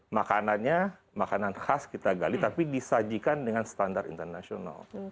makanannya makanan khas kita gali tapi disajikan dengan standar internasional